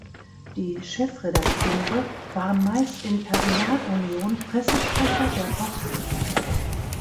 Die Chefredakteure waren meist in Personalunion Pressesprecher der Partei.